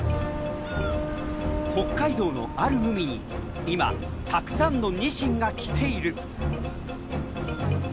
北海道のある海に今たくさんのニシンが来ている！